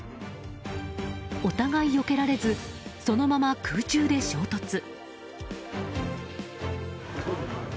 お互いよけられずそのまま空中で衝突。